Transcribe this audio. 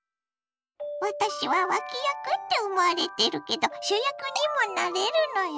「私は脇役って思われてるけど主役にもなれるのよ」。